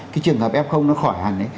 trường hợp f nó khỏi hành